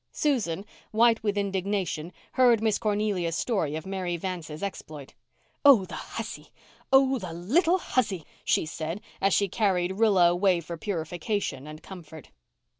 Susan, white with indignation, heard Miss Cornelia's story of Mary Vance's exploit. "Oh, the hussy—oh, the littly hussy!" she said, as she carried Rilla away for purification and comfort.